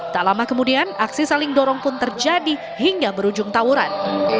tak lama kemudian aksi saling dorong pun terjadi hingga berujung tawuran